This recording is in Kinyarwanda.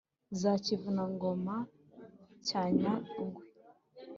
za kivuna-ngoma cya nyangwe